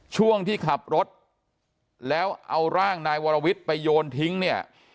ช่วงที่ขับรถแล้วเอาร่างนายวรวิทย์ไปโยนทิ้งเนี่ย